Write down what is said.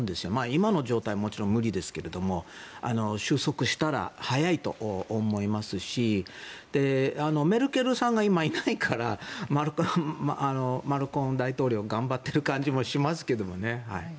今の状態だともちろん無理ですが終結したら早いと思いますしメルケルさんが今、いないからマルコム大統領が頑張っている気がしますけどね。